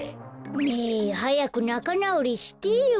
ねえはやくなかなおりしてよ。